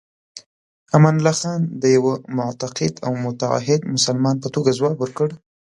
امان الله خان د یوه معتقد او متعهد مسلمان په توګه ځواب ورکړ.